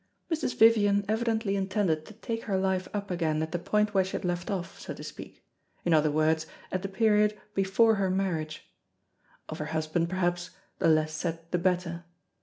Mrs. Vivian evidently intended to take her life up again at the point where she had left off, so to speak in other words, at the period before her marriage. Of her husband, perhaps, the less said the better.